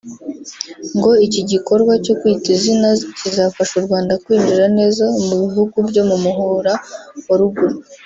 ngo iki gikorwa cyo Kwita Izina kizafasha u Rwanda kwinjira neza mu bihugu byo mu Muhora wa Ruguru